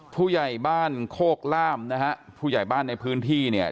ผู้ใหญ่บ้านโคกล่ามนะฮะผู้ใหญ่บ้านในพื้นที่เนี่ย